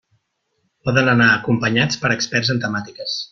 Poden anar acompanyats per experts en temàtiques.